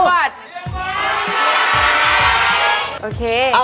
โอเค